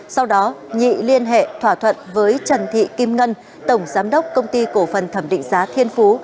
sau đó nhị liên hệ thỏa thuận với trần thị kim ngân tổng giám đốc công ty cổ phần thẩm định giá thiên phú